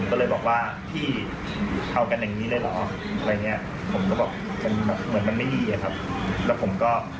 แล้วผมก็ะค่อยเดี๋ยวไปกลับบ้าน